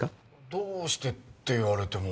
どうしてって言われても。